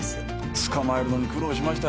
捕まえるのに苦労しましたよ。